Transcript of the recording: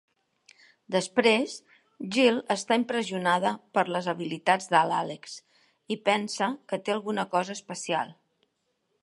Després, Gill està impressionada per les habilitats d'Alex i pensa que té alguna cosa d'especial.